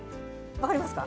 分かりますか？